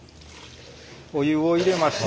お湯を入れまして。